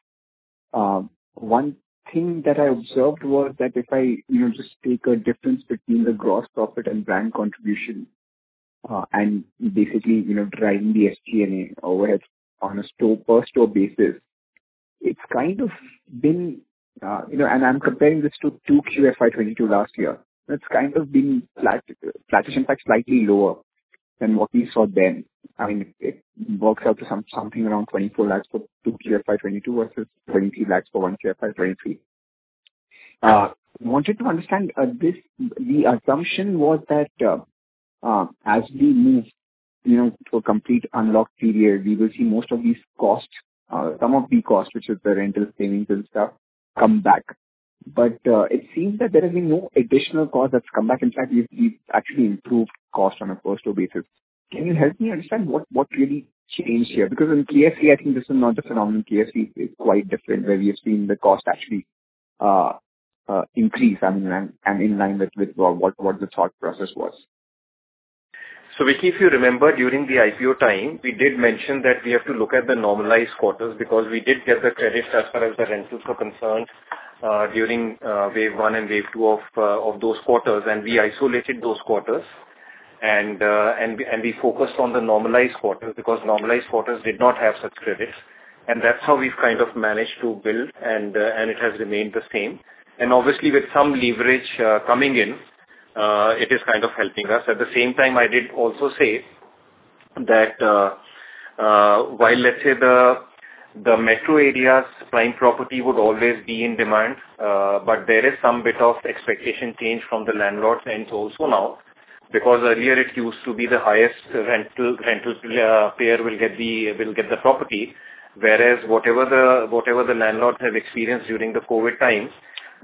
Speaker 12: one thing that I observed was that if I, you know, just take a difference between the gross profit and brand contribution, and basically, you know, deriving the SG&A or what have you on a store per store basis, it's kind of been, you know. I'm comparing this to 2Q FY 2022 last year. It's kind of been flat-ish, in fact, slightly lower than what we saw then. I mean, it works out to something around 24 lakh for 2Q FY 2022 versus INR 20 lakh for 1Q FY 2023. Wanted to understand this. The assumption was that, as we move, you know, to a complete unlock period, we will see most of these costs, some of the costs, which is the rental savings and stuff, come back. It seems that there has been no additional cost that's come back. In fact, we've actually improved costs on a per store basis. Can you help me understand what really changed here? Because in KFC, I think this is not just around KFC, it's quite different, where we have seen the cost actually increase. I mean, I'm in line with what the thought process was.
Speaker 4: Vicky, if you remember during the IPO time, we did mention that we have to look at the normalized quarters because we did get the credits as far as the rentals were concerned, during wave one and wave two of those quarters, and we isolated those quarters and we focused on the normalized quarters because normalized quarters did not have such credits. That's how we've kind of managed to build and it has remained the same. Obviously with some leverage coming in, it is kind of helping us. At the same time, I did also say that while let's say the metro areas prime property would always be in demand, but there is some bit of expectation change from the landlord's end also now. Because earlier it used to be the highest rental payer will get the property, whereas whatever the landlords have experienced during the COVID times,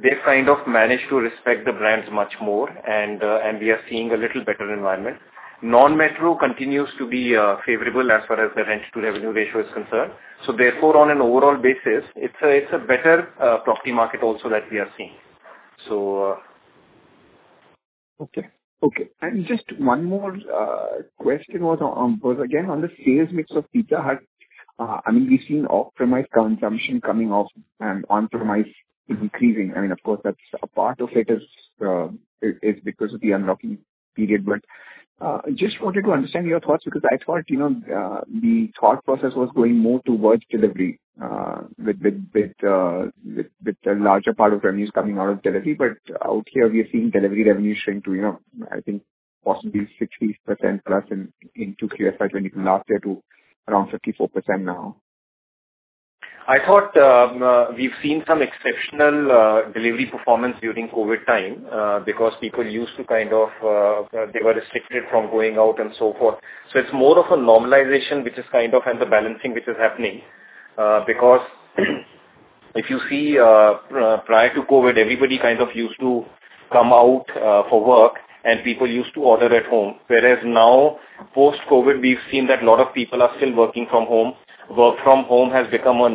Speaker 4: they've kind of managed to respect the brands much more and we are seeing a little better environment. Non-metro continues to be favorable as far as the rent to revenue ratio is concerned. Therefore on an overall basis, it's a better property market also that we are seeing.
Speaker 12: Okay. Just one more question was again on the sales mix of Pizza Hut. I mean, we've seen off-premise consumption coming off and on-premise increasing. I mean, of course, that's a part of it is because of the unlocking period. But just wanted to understand your thoughts because I thought, you know, the thought process was going more towards delivery with the larger part of revenues coming out of delivery. But out here we are seeing delivery revenue shrink to, you know, I think possibly 60% plus in 2QFY20 from last year to around 54% now.
Speaker 4: I thought we've seen some exceptional delivery performance during COVID time, because people used to kind of they were restricted from going out and so forth. It's more of a normalization, which is kind of and the balancing which is happening. Because if you see, prior to COVID, everybody kind of used to come out for work and people used to order at home. Whereas now post-COVID, we've seen that a lot of people are still working from home. Work from home has become a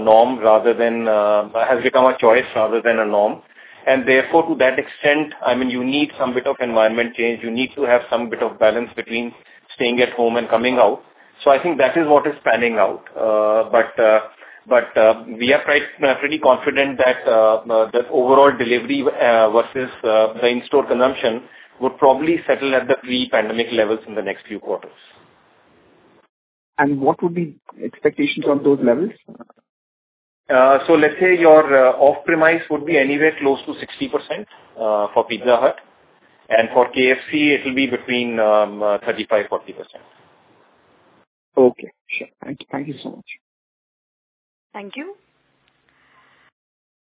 Speaker 4: choice rather than a norm. Therefore, to that extent, I mean, you need some bit of environment change. You need to have some bit of balance between staying at home and coming out. I think that is what is panning out. We are quite pretty confident that the overall delivery versus the in-store consumption would probably settle at the pre-pandemic levels in the next few quarters.
Speaker 12: What would be expectations on those levels?
Speaker 4: Let's say your off-premise would be anywhere close to 60% for Pizza Hut. For KFC, it will be between 35%-40%.
Speaker 12: Okay. Sure. Thank you so much.
Speaker 1: Thank you.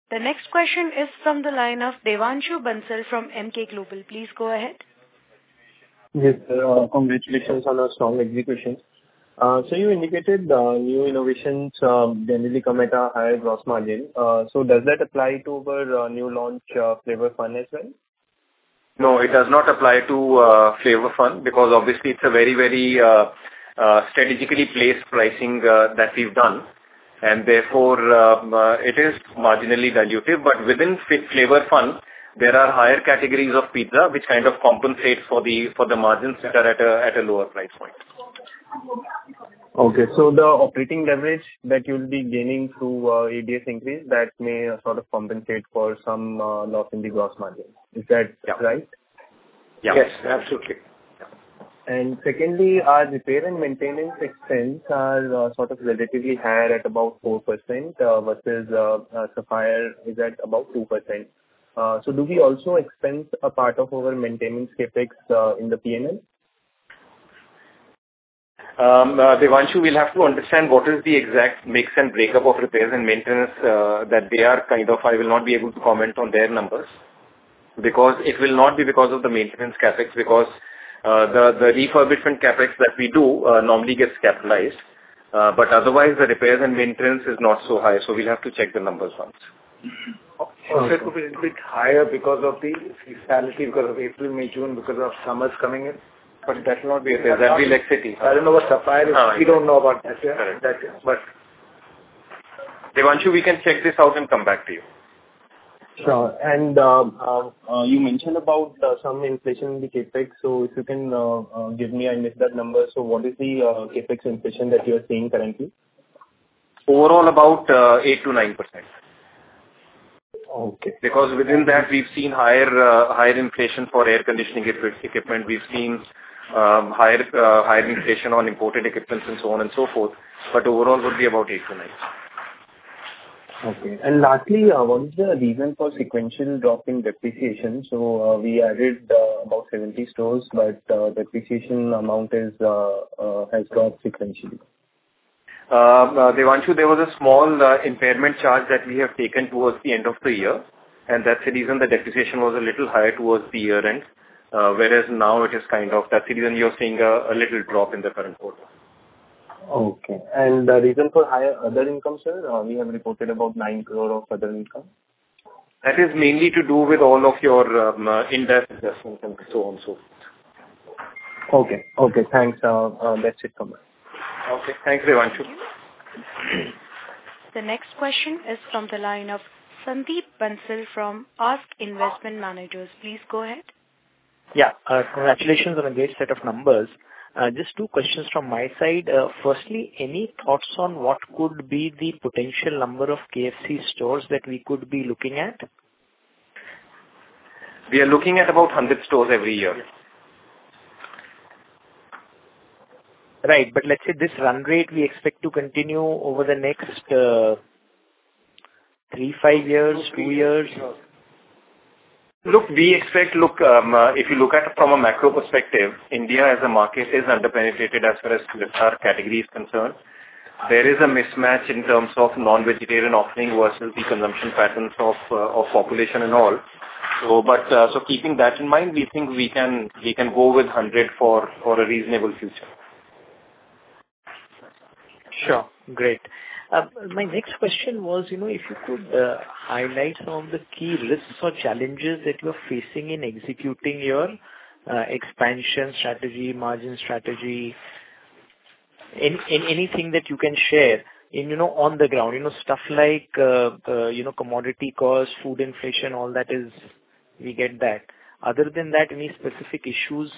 Speaker 1: The next question is from the line of Devanshu Bansal from Emkay Global. Please go ahead.
Speaker 13: Yes, sir. Congratulations on a strong execution. You indicated new innovations generally come at a higher gross margin. Does that apply to our new launch, Flavor Fun as well?
Speaker 4: No, it does not apply to Flavor Fun because obviously it's a very strategically placed pricing that we've done. Therefore, it is marginally dilutive. Within Flavor Fun, there are higher categories of pizza which kind of compensate for the margins that are at a lower price point.
Speaker 13: Okay. The operating leverage that you'll be gaining through, ADS increase that may sort of compensate for some, loss in the gross margin. Is that right?
Speaker 4: Yeah. Yes, absolutely. Yeah.
Speaker 13: Secondly, our repair and maintenance expense are sort of relatively high at about 4%, versus Sapphire is at about 2%. Do we also expense a part of our maintenance CapEx in the P&L?
Speaker 4: Devanshu, we'll have to understand what is the exact mix and break-up of repairs and maintenance. I will not be able to comment on their numbers because it will not be because of the maintenance CapEx because the refurbishment CapEx that we do normally gets capitalized. Otherwise the repairs and maintenance is not so high, so we'll have to check the numbers once.
Speaker 13: Okay.
Speaker 12: Also it could be a little bit higher because of the seasonality, because of April, May, June, because of summers coming in. That will not be-
Speaker 4: It is every locality.
Speaker 12: I don't know about Sapphire.
Speaker 4: No.
Speaker 12: We don't know about that, yeah.
Speaker 4: Correct.
Speaker 14: That, but...
Speaker 4: Devanshu, we can check this out and come back to you.
Speaker 13: Sure. You mentioned about some inflation in the CapEx. If you can give me, I missed that number. What is the CapEx inflation that you are seeing currently?
Speaker 4: Overall, about 8%-9%.
Speaker 13: Okay.
Speaker 4: Because within that, we've seen higher inflation for air conditioning equipment. We've seen higher inflation on imported equipment and so on and so forth. Overall would be about 8%-9%.
Speaker 13: Okay. Lastly, what is the reason for sequential drop in depreciation? We added about 70 stores, but depreciation amount has dropped sequentially.
Speaker 4: Devanshu, there was a small impairment charge that we have taken towards the end of the year, and that's the reason the depreciation was a little higher towards the year-end. Whereas now it is kind of that's the reason you're seeing a little drop in the current quarter.
Speaker 13: Okay. The reason for higher other income, sir? We have reported about 9 crore of other income.
Speaker 4: That is mainly to do with all of your interest adjustments and so on, so forth.
Speaker 13: Okay. Okay, thanks. That's it from me.
Speaker 4: Okay, thanks, Devanshu.
Speaker 1: Thank you. The next question is from the line of Sandip Bansal from ASK Investment Managers. Please go ahead.
Speaker 15: Congratulations on a great set of numbers. Just two questions from my side. Firstly, any thoughts on what could be the potential number of KFC stores that we could be looking at?
Speaker 4: We are looking at about 100 stores every year.
Speaker 15: Right. Let's say this run rate we expect to continue over the next three, five years, two years.
Speaker 4: Look, if you look at it from a macro perspective, India as a market is under-penetrated as far as our category is concerned. There is a mismatch in terms of non-vegetarian offering versus the consumption patterns of population and all. Keeping that in mind, we think we can go with 100 for a reasonable future.
Speaker 15: Sure. Great. My next question was, you know, if you could highlight some of the key risks or challenges that you're facing in executing your expansion strategy, margin strategy. Anything that you can share in, you know, on the ground. You know, stuff like commodity costs, food inflation, all that. We get that. Other than that, any specific issues?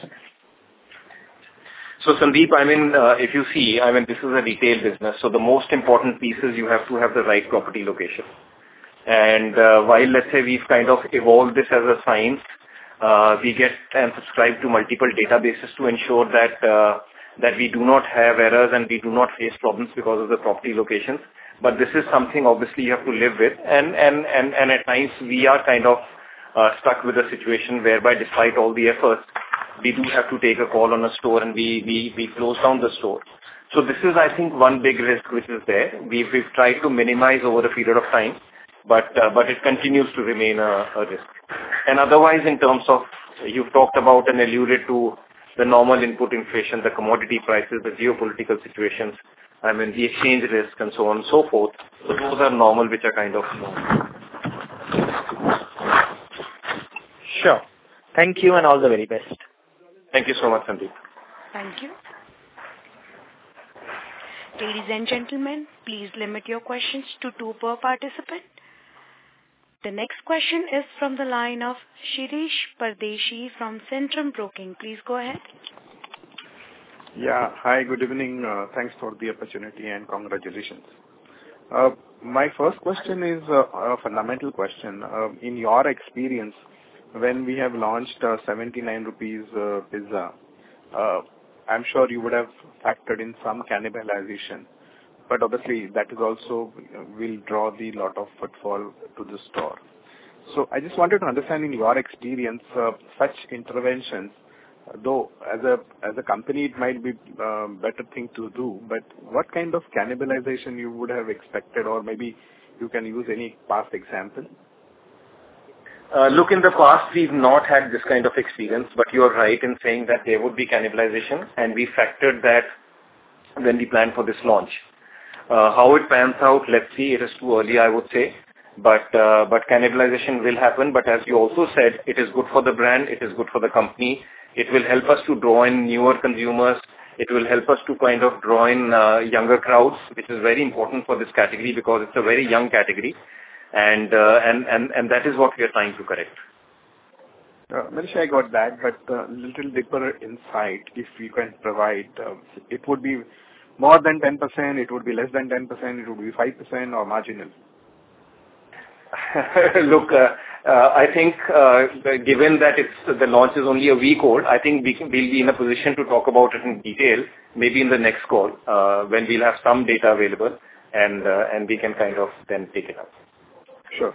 Speaker 4: Sandeep, I mean, if you see, I mean, this is a retail business, so the most important piece is you have to have the right property location. While, let's say, we've kind of evolved this as a science, we get and subscribe to multiple databases to ensure that we do not have errors and we do not face problems because of the property locations. This is something obviously you have to live with and at times we are kind of stuck with a situation whereby despite all the efforts, we do have to take a call on a store and we close down the store. This is, I think, one big risk which is there. We've tried to minimize over a period of time, but it continues to remain a risk. Otherwise in terms of you've talked about and alluded to the normal input inflation, the commodity prices, the geopolitical situations, I mean, the exchange risk and so on and so forth. Those are normal, which are kind of known.
Speaker 15: Sure. Thank you and all the very best.
Speaker 4: Thank you so much, Sandip.
Speaker 1: Thank you. Ladies and gentlemen, please limit your questions to two per participant. The next question is from the line of Shirish Pardeshi from Centrum Broking. Please go ahead.
Speaker 16: Yeah. Hi. Good evening. Thanks for the opportunity and congratulations. My first question is a fundamental question. In your experience when we have launched 79 rupees pizza, I'm sure you would have factored in some cannibalization, but obviously that is also will draw the lot of footfall to the store. I just wanted to understand in your experience of such interventions, though, as a company it might be better thing to do, but what kind of cannibalization you would have expected? Or maybe you can use any past example.
Speaker 4: Look, in the past we've not had this kind of experience, but you are right in saying that there would be cannibalization, and we factored that when we planned for this launch. How it pans out, let's see. It is too early, I would say. Cannibalization will happen. As you also said, it is good for the brand, it is good for the company. It will help us to draw in newer consumers. It will help us to kind of draw in younger crowds, which is very important for this category because it's a very young category and that is what we are trying to correct.
Speaker 16: Manish, I got that, but little deeper insight, if you can provide. It would be more than 10%, it would be less than 10%, it would be 5% or marginal?
Speaker 4: Look, I think, given that the launch is only a week old, I think we'll be in a position to talk about it in detail maybe in the next call, when we'll have some data available and we can kind of then take it up.
Speaker 16: Sure.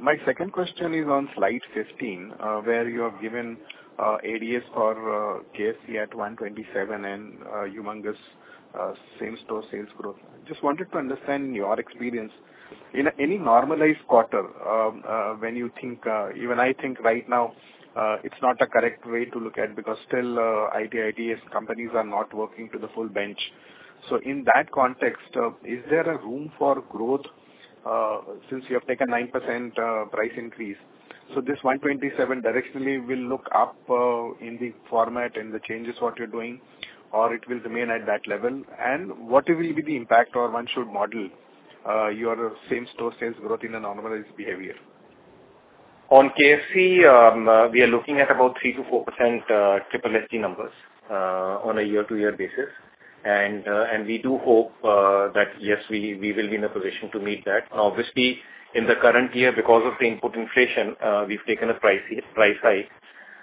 Speaker 16: My second question is on slide 15, where you have given, ADS for, KFC at 127 and, humongous, same-store sales growth. Just wanted to understand your experience. In any normalized quarter, when you think, even I think right now, it's not a correct way to look at because still, IT/ITES companies are not working to the full bench. In that context, is there a room for growth, since you have taken 9%, price increase? This 127 directionally will look up, in the format and the changes what you're doing, or it will remain at that level? And what will be the impact or one should model, your same-store sales growth in a normalized behavior?
Speaker 4: On KFC, we are looking at about 3%-4% SSS numbers on a year-to-year basis. We do hope that yes, we will be in a position to meet that. Obviously, in the current year, because of the input inflation, we've taken a price hike,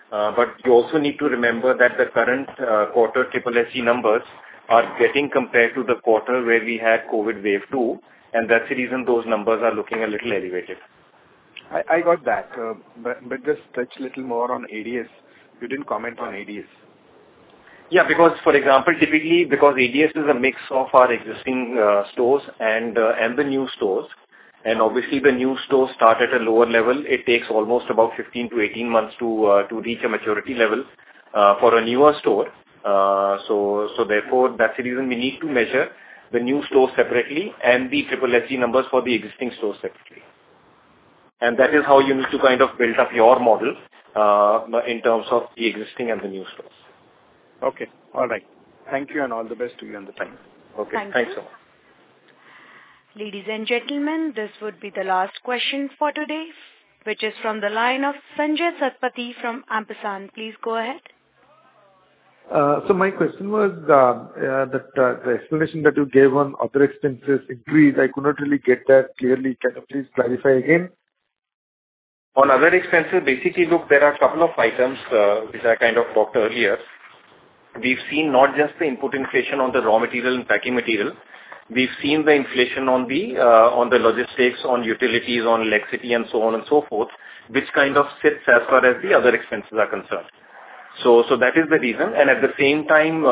Speaker 4: but you also need to remember that the current quarter SSS numbers are getting compared to the quarter where we had COVID wave two, and that's the reason those numbers are looking a little elevated.
Speaker 16: I got that. Just touch a little more on ADS. You didn't comment on ADS.
Speaker 4: Yeah, because for example, typically because ADS is a mix of our existing stores and the new stores, and obviously the new stores start at a lower level. It takes almost about 15-18 months to reach a maturity level for a newer store. Therefore that's the reason we need to measure the new stores separately and the SSSG numbers for the existing stores separately. That is how you need to kind of build up your model in terms of the existing and the new stores.
Speaker 16: Okay. All right. Thank you and all the best to you in the meantime.
Speaker 4: Okay. Thanks a lot.
Speaker 1: Thank you. Ladies and gentlemen, this would be the last question for today, which is from the line of Sanjaya Satapathy from Ampersand. Please go ahead.
Speaker 17: My question was that the explanation that you gave on other expenses increased. I could not really get that clearly. Can you please clarify again?
Speaker 4: On other expenses, basically, look, there are a couple of items which I kind of talked earlier. We've seen not just the input inflation on the raw material and packing material. We've seen the inflation on the logistics, on utilities, on electricity and so on and so forth, which kind of sits as far as the other expenses are concerned. So that is the reason. At the same time,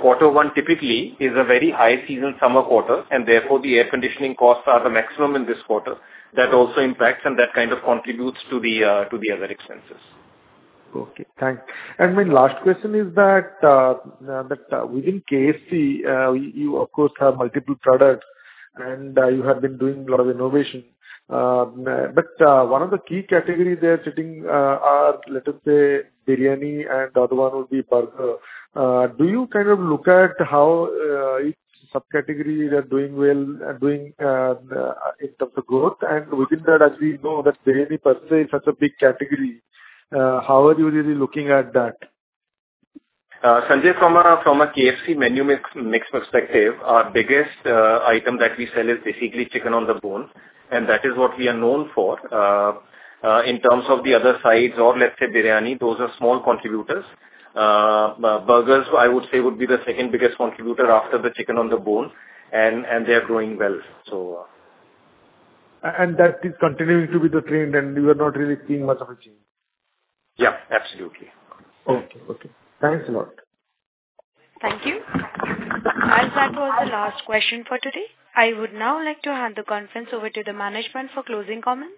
Speaker 4: quarter one typically is a very high season summer quarter and therefore the air conditioning costs are the maximum in this quarter. That also impacts and that kind of contributes to the other expenses.
Speaker 17: Okay, thanks. My last question is that within KFC, you of course have multiple products and you have been doing a lot of innovation. One of the key categories such as biryani and the other one would be burger. Do you kind of look at how each subcategory they are doing well in terms of growth? Within that, as we know that biryani per se is such a big category, how are you really looking at that?
Speaker 4: Sanjay, from a KFC menu mix perspective, our biggest item that we sell is basically chicken on the bone, and that is what we are known for. In terms of the other sides or let's say biryani, those are small contributors. Burgers, I would say, would be the second biggest contributor after the chicken on the bone and they are growing well.
Speaker 17: That is continuing to be the trend and you are not really seeing much of a change.
Speaker 4: Yeah, absolutely.
Speaker 17: Okay. Thanks a lot.
Speaker 1: Thank you. As that was the last question for today, I would now like to hand the conference over to the management for closing comments.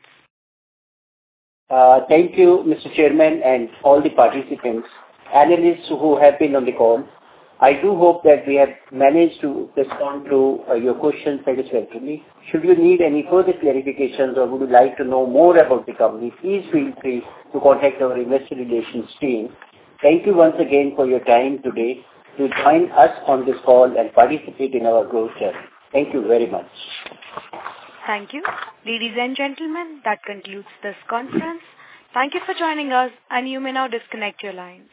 Speaker 4: Thank you, Mr. Chairman and all the participants, analysts who have been on the call. I do hope that we have managed to respond to your questions satisfactorily. Should you need any further clarifications or would like to know more about the company, please feel free to contact our investor relations team. Thank you once again for your time today to join us on this call and participate in our growth journey. Thank you very much.
Speaker 1: Thank you. Ladies and gentlemen, that concludes this conference. Thank you for joining us and you may now disconnect your lines.